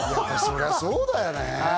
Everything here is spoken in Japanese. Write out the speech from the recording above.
そりゃそうだよね。